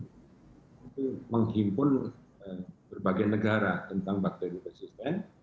itu menghimpun berbagai negara tentang bakteri resisten